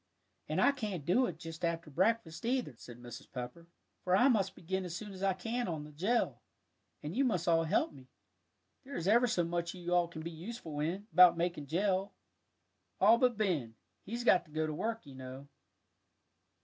"And I can't do it just after breakfast, either," said Mrs. Pepper, "for I must begin as soon as I can on the jell, and you must all help me. There is ever so much you can all be useful in, about making jell. All but Ben, he's got to go to work, you know."